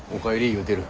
言うてる。